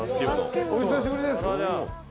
お久しぶりです。